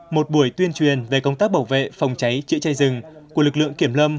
một buổi tuyên truyền về công tác bảo vệ phòng cháy chữa cháy rừng của lực lượng kiểm lâm